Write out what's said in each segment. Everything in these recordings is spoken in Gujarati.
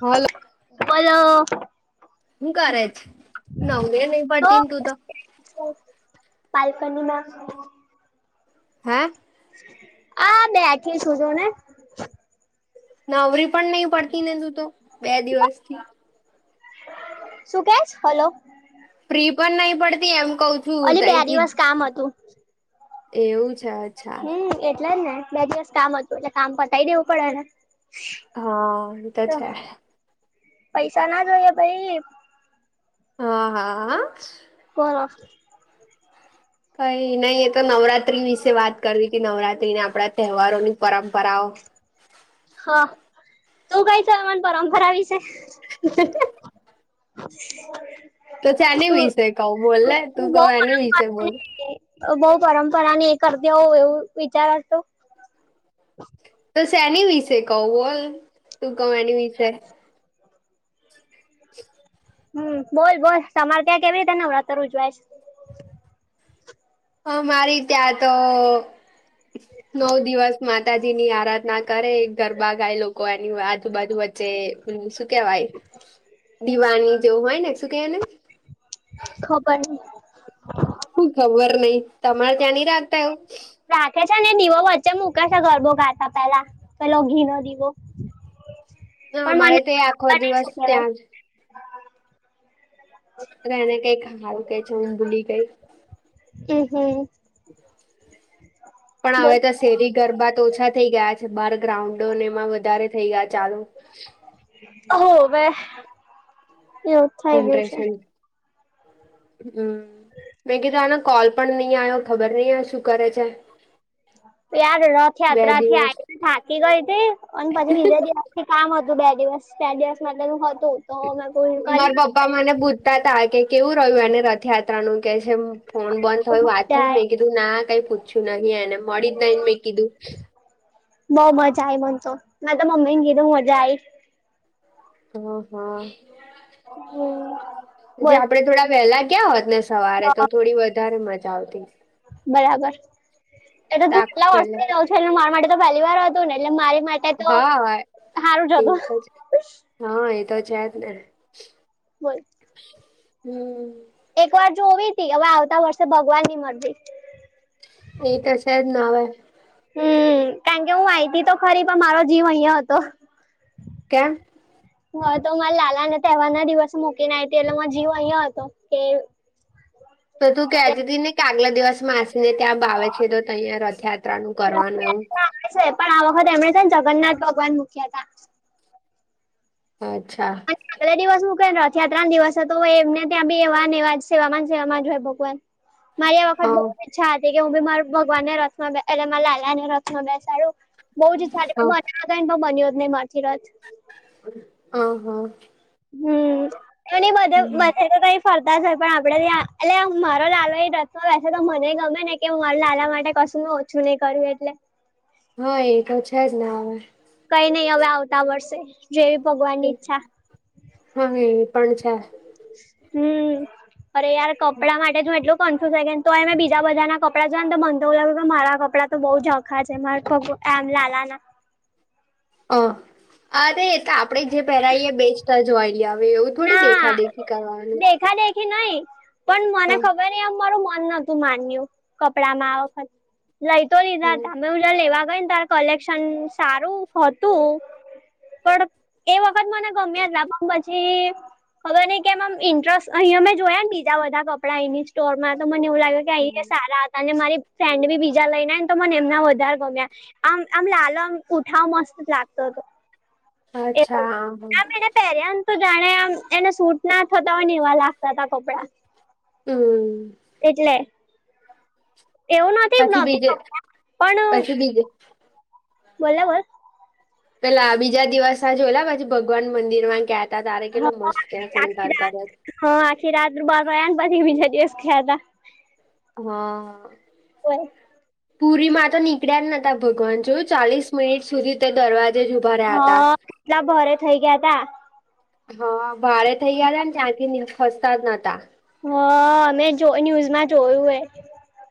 હલો બોલો. હું કરે છે? નવરી નહીં પડતી તું તો. પાલકની માં. હે. આ બેઠી છું, જો ને. નવરી પણ નહીં પડતી ને, તું તો બે દિવસ થી. શું કે, હલો? ફ્રી પણ નહીં પડતી, એમ કવ છું. અલી બે તઈથી દિવસ કામ હતું. એવું છે. અચ્છા હમ, એટલે જ ને, બે દિવસ કામ હતું એટલે કામ પતાય દેવું પડેને. હા, એ તો છે. પૈસા ના જોઈએ, ભાઈ. હા, હા. બોલો. કઈ નય, એ તો નવરાત્રી વિશે વાત કરવી કે નવરાત્રી ને આપણા તહેવારોની પરંપરાઓ. હા, તું કંઈ છે એમની પરંપરા વિશે. ટાઈટલ નથી હોવાથી તે મૂકવામાં આવ્યો નથી તો છે એની વિશે કવ બોલને, તું કહને, એની વિશે બોલ. બહુ પરંપરા ની એ કરતી હો એવું વિચારશું. તો શેની વિશે કવ બોલ, તું કહ એની વિશે. ટાઈટલ ન હોવાથી મુકવામાં આવ્યું નથી ટાઇટન ન હોવાથી મુકવામાં આવ્યો નથી હમ, બોલ, બોલ. તમારે ત્યાં કેવી રીતે નવરાત્રી ઉજવાય? અમારી ત્યાં તો નવ દિવસ. માતાજી ની આરાધના કરે, ગરબા ગાય, લોકો એની આજુબાજુ શું કેવાય? દિવાની જેવું હોય ને, શું કેવાય ને? ખબર ની [inaudible] હું ખબર નહિ તમારે ત્યાં નહ રાખતા એવું? રાખે છે, ને દીવો વચ્ચે મૂકે છે, ગરબો ગાતા પેલા. તો ઘી નો દિવો. ના અમારે તો આખો દિવસ કેવાય ત્યાં જ. હ, એને કઈ સારુ કે છે, હું ભૂલી ગઈ. હમ, હમ. પણ હવે બોલ તો શેરી ગરબા તો ઓછા થઈ ગયા છે, બાર ગ્રાઉન્ડોને એમાં વધારે થઈ ગયા ચાલુ હો બે એ જનરેશન હમ મે કીધું આને કોલ પણ નહી આવ્યો ખબર નહી આ શું કરે છે? યાર બે રથયાત્રા થી દિવસ આવીને થાકી ગઈ તી અને પછી બીજે કામ હતું બે દિવસ બે દિવસ માટે હતું તો પૂરું કરી મારા પપ્પા મને પૂછતા તા કે કેવું રહ્યું એને રથયાત્રા નું કે છે? ફોન બંધ બહુ થય વાત મજા થઈ આઈ મેં કીધું ના કઈ પૂછ્યું નહીએને મળી જ નઈને મેં કીધું. બઉુ મજા આઈ મન તો મેં તો મમ્મીને કીધું મજા આઈ. હ હ જે બોલ આપડે થોડા વહેલા ગયા હોત ને સવારે તો થોડી વધારે મજા આવતી બરાબર એટલે તું તાક કેટલા પેલે વર્ષોથી જઉં છે એટલે મારા માટે તો પહેલી વાર હતું ને એટલે મારી માટે તો હા એ સારું જ હતું. તો જ. હા એ તો છે જ ને. બય [inaudible] હમ. એક વાર જોવી હતી હવે આવતા વર્ષે ભગવાન ની મંજૂરી એ તો છે જ ને હવે હમ કારણ કે હું આઈતી તો ખરી પણ મારો જીવ અહીંયા હતો. કેમ? હા તો મારે લાલાને તહેવાર દિવસ મૂકીને આવી હતી એટલે મા જીવ અહીંયા હતો કે તો તું કહેતી હતી ને કે આગલા દિવસ માસીને ત્યાં બાવ છે તો તહીંયા રથયાત્રા નું કરવાનું એવું. પણ આ વખત એમણે છે ને જગન્નાથ ભગવાન મુખ્યા હતા. અચ્છા. અને આગલા દિવસ હું ત્યાં રહ્યા ત્રણ દિવસ હતો એમને ત્યાં બી સેવાને સેવા સેવાવામાં સેવામાં જ હોય ભગવાન. મારી આ હ વખત કે હું બી મારા ભગવાન ને રથમાં એટલે મારાલાલાને રથમાં બેસાડું. બહુ જ હ પણ મન ને પણ બન્યો જ નહી મારા થી રથ. હ હા. હમ અને મધા માછ [inaudible] તો કઈ ફરતા જ પણ આપડે ત્યા એટલે મારા લાલાને બેસે તો મને ગમે ને કે મારા લાલા માટે કશું ન કશું ન કર્યું એટલે હા એ તો છે જ ના હ કઈ નહી હવે આવતા વર્ષે જેવી ભગવાન ની ઈચ્છા હા એ પણ છે. હમ અરે યાર કપડામાં એટલુ કન્ફ્યુઝ કેને તો એમે બીજા બધા ના કપડા જોવા ને તો મને તો એવું લાગ્યું કે મારા કપડાં તો બહું ઝાંખા છે ટમ [inaudible] લાલા ના [inaudible] અ અરે એ તો આપડે જે પહેરાઈએ બેસ્ટ જ હોય હવે એવું થોડી દેખા દેખી કરવાનું નહી પણ મને હા, ખબર એમ મારું મન નહોતું માન્યું કપડામાં આ વખત લઈ તો લીધા હા. તમે હું લેવા ગઈને ત્યારે કલેક્શન સરું હતું. પણ એ વખત મને ગમ્યા ના પણ પછી ખબર નહીં કેમ આમ ઇન્ટરેસ્ટ અહીંયા અમે જોયા બીજા બધા કપડા એની સ્ટોરમાં તો મને એવું લાગે. અહીયા સારા હતા અને મારી ફ્રેન્ડ બી બીજા લઈનેને તો મને એમના વધારે ગમ્યા. આમ આમ માલ આમ ઉઠાવ મસ્ત જ લાગતો હતો. અચ્છા હા હા. પહેરે તો જાણે આમ એને સૂટ ના થતા હોય વા લાગતા ત કપડાં હમ. કેટલે? એવું નથી પછી બીજે પણ- પછી બીજે બોલો બોલ પેલા બીજા દિવસ જોએલા પછી ભગવાન મંદિર માં ગ્યાત ્યા તારે કેલો હા મસ્ત ક્યાંસણ આખી કાર રાત કરત [unintelligible] [inaudible] હા આખી રાત બાર પછી બીજા દિવસ ખ્યાતા [unintelligible] [inaudible] હા કોઈ પુરી માં તો નીકળ્યા નતા ભગવાન જો ચાલીસ મિનિટ સુધી તે દરવાજે જ ઉભા રહ્યા હતા હા કેટલા ભારે થઈ ગયા તા હા ભાડે થઇ ગયાયા ને ત્યાંથી ખસતા જ નતા હ મેં જો ન્યૂઝમાં જોયું મે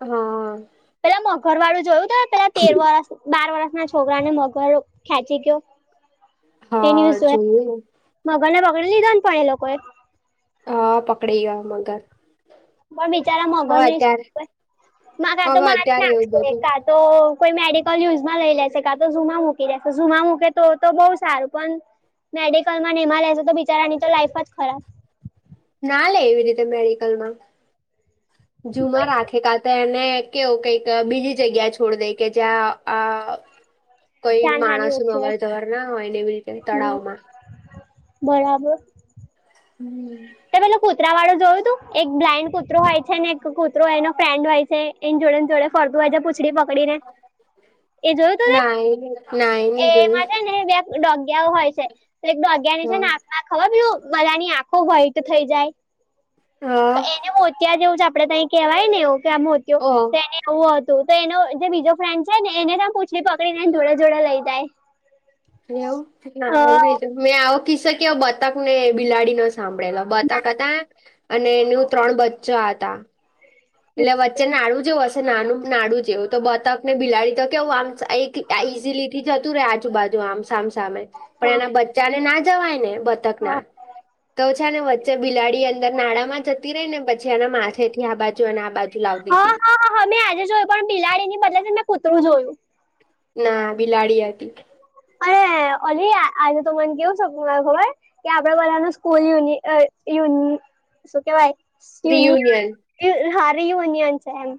હા પેલા મગર વાળું જોયું તો પેલા તેર વરષ બાર વરષના છોકરા ને મગર ખેંચી ગયો એ હા ન્યુઝ જોયા જોયું મગર ને પગડી લીધો ન પણ એ લોકો એ હા પકડે ગયા મગર પણ બિચારા હવે મગર ન શું અત્યારે કા તો હવે મા જ અત્યારે એવું નાખશે કા [inaudible] કોઈ મેડિકલ યુઝમાં લઈ લેશે કા તો ઝુમાં મૂકી લેશે ુમાં મૂકે તો તો બહુ સારું પણ મેડિકલ માં એમાં લેશે તો બિચારાની તો લાઈફ જ ખરાબ ના લે એવી રીતે મેડિકલ માં જુમાં રાખે કા તો એને કેવું કઈક બીજી જગ્યા છોડી દે કે જ્યાં આ કઈ જાનહાની માણસ ન ઓછી હોય અવર જવર ના હોય ને એવી રીતે હમ તળાવમાં બરાબર હમ તો પેલું કૂતરા વાળું જોયું તું એક બ્લાઇન્ડ કૂતરો હોય છે ને એક કૂતરો એનો ફ્રેન્ડ હોય છે એ જોડે ન જોડે ફરતું હોય છે કૂતરું એ પકડીને એ જોયું તું ના એ ના એ તે નહી જોયું એમાં ડોગ્યા હોય છે તો એક ડોગ્યા ની છે ને આખ ના ખબર હે પેલું બધાની આંખો હોય થઈ હા જાય હા એને મોતિયા જેવું છે આપડે ત કેહેવાય ને એવુ કે ઓહ તેને એવું હતું તો એનો જે બીજો ફ્રેન્ડ છે ને એને ત પૂછડી પકડીને પકડી ને જોડે જોડે લઈ જાય એવું ના હા એવું મેં આવો કીસેકે બતાક ને બિલાડી નો સાંભળેલા બતક હતા અને એનું ત્રણ બચ્ચા હતા એટલે વચ્ચે નાડું જેવું હશે નાનું નાલુ જેવું તો બતક ને બિલાડી તો કેવું આમ એક ત્યા ઈઝીલી થી જતું રે આજુબાજુ આમ સામ સામે પણ હા એના બચ્ચાને ના જવાય ને બતક ના હા તો ાને વચ્ચે બિલાડી અંદર નાળામાં જતી રહી ને પછી એના માથે થી આ બાજુ અને આ બાજુ લાવતી હા હતી. હા હ હા મેં આજે જોયું પણ બિલાડી ની બદલે છે મેં કુતરું જોયું ના બિલાડી હતી અ ઓલી આજે તો મને કેવું સપનું આવ્યું ખબર કે આપડે બધા ન સ્કૂલ યુન યુન શું કેવાય યુન રિયુનિયન અન હારી યુનિયાન છે એમ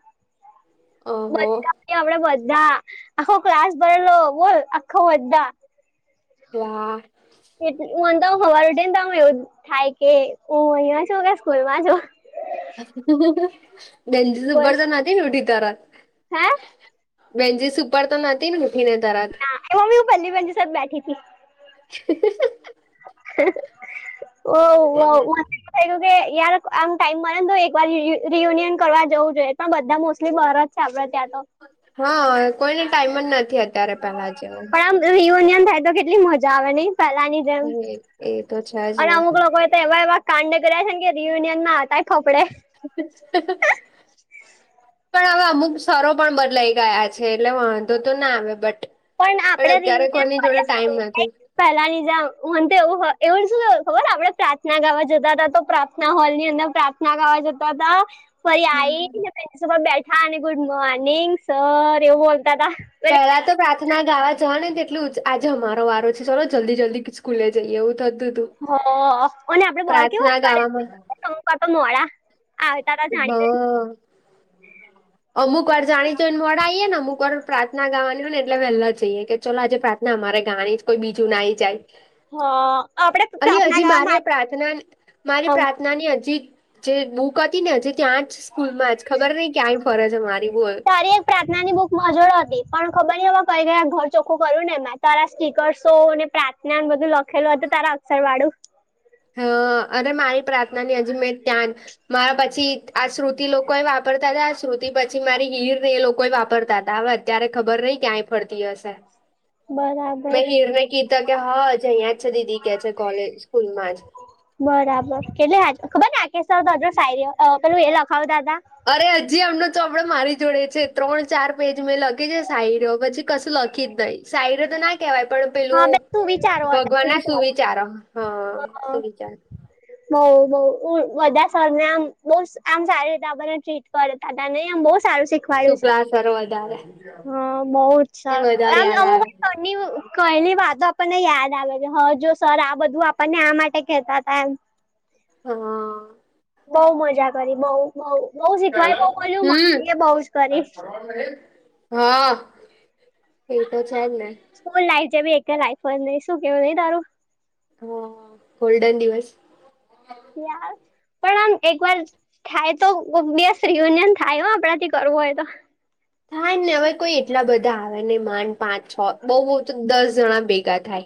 ઓહો આપડ બધા આખો ક્લાસ ભરેલો બોલ આખો બધા હા એટ હું તો સવાર ઉઠી ને તો એવું થાય કે હું અહીિયાં છું કે સ્કૂલ માં છુ બેન્ચ ઉ બોલ પર તો નતી ને ઉઠી તાર હે બેનચીસ ઉપર પાર તો નથી ને ઊઠી ને તારા [unintelligible] સાથે બેઠીતી [inaudible] [unintelligible] કે યાર આમ ટાઈમ મળરે ને તો એક વાર રિયુનિયન કરવા જવું જોઈએ પણ બધા મોસ્ટલી બારજ આપડે ત્યાં તો હા કોઈને ટાઈમ જ નથી અત્યારે પેલા જેવું. રીયુનિયન થાય તો કેટલી મજા આવે નહી પહેલાની જેમ એ એ તો છે જ અને ને અમુક લોકો એવા કાડ કર્યા છે ને કે રિયુનિયન માં આવતાએ ફફડે. [inaudible] પણ હવે અમુક સરો પણ બદલાઈ ગયા છે એટલે વાંધો તો ના આવે બટ પણ આપડ અત્યારે કોઈની રિયુનિયન જોડે ટાઈમ નથી [unintelligible] પહેલા ની જેમ એવું એવું શું ખબરને આપણે પ્રાર્થના ગાવા જતા હતા તો પ્રાર્થના હોલ ની અંદર પ્રા થના ગાવા જતા હતા. ફરી હમ આઈસ પ્રિન્સિપાલ બેઠા અને ગુડ મોર્નિંગ સર એવું બોલતા તા પેલા તો પ્રા થના ગાવા જવા ને તેટલું જ આજે અમારો વારો છે ચાલો જલ્દી જલ્દી સ્કૂલે જઈએ એવું થતું હતું. હ અને આપડે બાર પ્રાર્થના કેવું ગાવામાં [unintelligible] મોડા આવતાતા જાણી જોઈને હા અમુક વાર જાણી જોઈને મોડા આઈએ ને અમુક વાર પ્રાર્થના ગાવાની હોય ને એટલે વહેલા જઈએ કે ચલો આજે પ્રાથના અમારે ગાવાની છે કોઈ બીજું નાઈ જાય. હ આપડે અલી પ્રાર્થના હજી ગાવા મારી માટે પ્રાર્થના મારી પ્રા થના ની હજી જે બુક હતી ને હજી ત્યાં જ સ્કૂલ માં જ ખબર નય ક્યાં ફરે છે મારી બોલ અરે પ્રાર્થનાની બુક માંજોડ હતી પણ ખબર નઈ હવે કઈ ગયા ઘર ચોખ્ખું કર્યું ને એમાં. તારા સ્ટીકર્સો ને પ્રાર્થના બધું લખેલું હતું તારા અક્ષર વાળું હ અને મારી પ્રાર્થનાની હજી મેં ત્યા મારા પછી આ શ્રુતિ લોકોએ વાપરતા હતા આ શ્રુતિ પછી મારી હિર ને એ લોકો વાપરતા હતા હવે અત્યારે ખબર નહ ક્યાંય ફરતી હશે. મેં બરાબર હીરને કીધા કે હાજ અહીંયાજ છે દીદી કે છે કોલેજ સ્કૂલમાં જ. બરાબર કેટલી [unintelligible] ખબર ને [unintelligible] પેલું એ લખાવતાતા અરે હજી આમનો ચોપડે મારી જોડે છે ત્રણ ચાર પેજ મેં લખી છે શાયરીઓ પછી કશું લખી જ નહી. શાયરીઓ તો ના કહેવાય પણ હા પેલું બે તું વિચારો હતા તું ભગવાનના વિચારો સુવિચારો હ સુુવિચારો બઉ બઉ બધા સરને આમ બહ આમ સારી રીતે આપને ટ્રીટ કરતા હતા નહી આમ બહ સારું શીખ [unintelligible] વધારે હ બઉુ છ એ વધારે આમ યાદ [unintelligible] આવે કરલી વાતો આપણને યાદ આવે છે હ જો સર આ બધું આપણને આ માટે કેહેતા હતા એમ. હા બઉ મજા કરી બઉ બઉ બઉ શીખવાય બઉ મળયું હમ મજાએ બઉ જ કરી [unintelligible] હા એતો છે જ ને સ્કૂલ લાઈફ જે ભી એક લાઈફ નય શું કેવું નહી તારું હ ગોલ્ડન દિવસ ાર પણ આમ એક વાર થાય તો બેસ રિયુનિયન થાય હોય આપણા થી કરવું હોય તો થાય ને હવે કોઈ એટલા બધા આવે ને માંડ પાંચ છ બહુ બહ તો દસ જણા ભેગા થાય.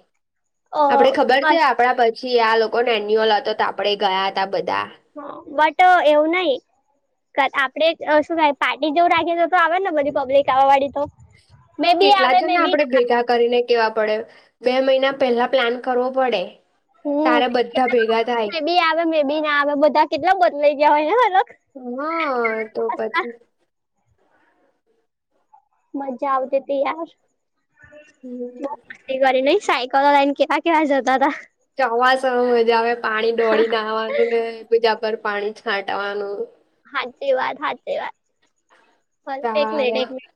આપડે ખબર અ છે બસ આપડા પી સિયા આ લોકો ને એન્યુઅલ હતો તો આપડે ગયા હતા બધા. બટ એવું નય આપડે શું થાય પાર્ટી જેવું રાખી તો તો આવે ને બધી પબ્લિક આવવા વાળી તો. મે બી કેટલા આવે જ મે ને બી આપણે ભેગા કરીને કેવા પડે બે મહિના પેલા પ્લાન કરવો પડે. હમ તારે બધા ભેગા થાય મે બી આવે મે બી ના આવે બધા કેટલા બદલાઈ ગયા હોય ને અલગ. હા તો પછી મજા આવતી તી યાર હમ એ કરી નહી સાયકલ લયન કયા કયા જતા હતા ચોમાસા મા મજા આવે પાણી દોડી ને આવવાનું ને બીજા પર પાણી છાંટવાનું હાચી વાત હાચી વાત હલ એક તારે મિનિટ એક મિનિટ